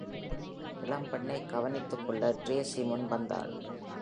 இளம் பெண்ணை கவனித்துக்கொள்ள டிரேசி முன் வந்தாள்.